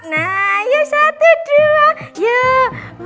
nah yuk satu dua yuk